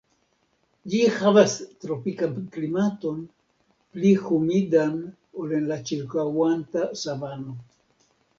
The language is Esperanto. Ĝi havas tropikan klimaton, pli humidan ol en la ĉirkaŭanta savano.